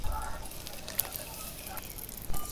د کنګل شویو پیسو ازادول.